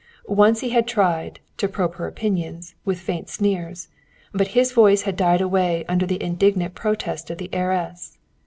Once he had tried, to probe her opinions, with faint sneers, but his voice had died away under the indignant protest of the heiress.